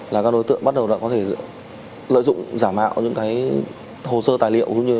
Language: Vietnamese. là các đối tượng bắt đầu có thể lợi dụng giả mạo những hồ sơ tài liệu